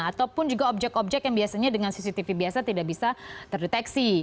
ataupun juga objek objek yang biasanya dengan cctv biasa tidak bisa terdeteksi